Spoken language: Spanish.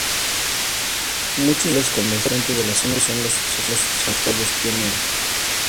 Muchos de los actuales comerciantes de la zona son los sucesores de aquellos pioneros.